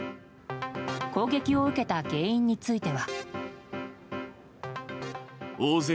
攻撃を受けた原因については。